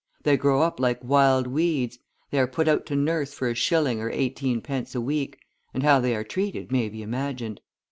They grow up like wild weeds; they are put out to nurse for a shilling or eighteenpence a week, and how they are treated may be imagined.